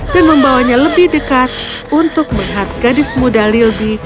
dan membawanya lebih dekat untuk melihat gadis muda lilby